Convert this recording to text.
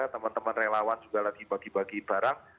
teman teman relawan juga lagi bagi bagi barang